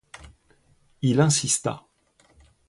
Il insista.